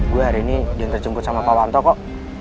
gue hari ini yang terjemput sama pawanto kok